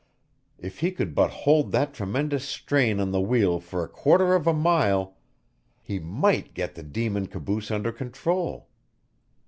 If he could but hold that tremendous strain on the wheel for a quarter of a mile, he might get the demon caboose under control!